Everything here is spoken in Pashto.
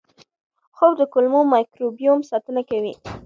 خوب د کولمو مایکروبیوم ساتنه کوي.